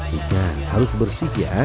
hingga harus bersih ya